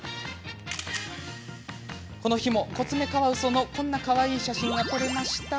この日も、コツメカワウソのこんなかわいい写真が撮れました。